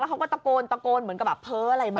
แล้วเขาก็ตะโกนเหมือนกับแบบเผ้ออะไรมาก